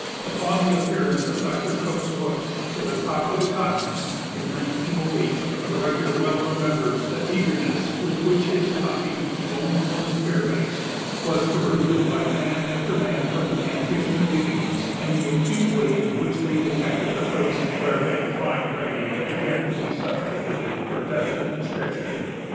Upon the appearance of Doctor Cook's book, "To the Top of the Continent," in 1908, the writer well remembers the eagerness with which his copy (the only one in Fairbanks) was perused by man after man from the Kantishna diggings, and the acute way in which they detected the place where vague "fine writing" began to be substituted for definite description.